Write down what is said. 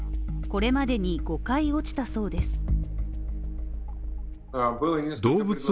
これまでに５回落ちたそうです。